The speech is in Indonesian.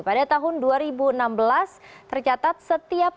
pada tahun dua ribu enam belas tercatat setiap